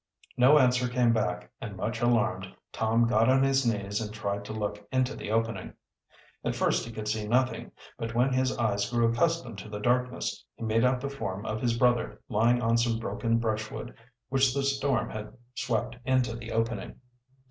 No answer came back, and much alarmed, Tom got on his knees and tried to look into the opening. At first he could see nothing, but when his eyes grew accustomed to the darkness, he made out the form of his brother lying on some broken brushwood which the storm had swept into the opening.